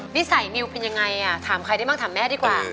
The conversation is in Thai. นิสัยมิวเป็นยังไงถามใครได้บ้างถามแม่ดีกว่า